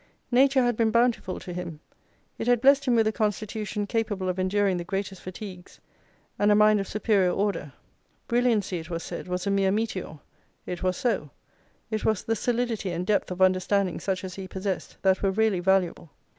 Nature had been bountiful to him; it had blessed him with a constitution capable of enduring the greatest fatigues; and a mind of superior order. Brilliancy, it was said, was a mere meteor; it was so: it was the solidity and depth of understanding such as he possessed, that were really valuable.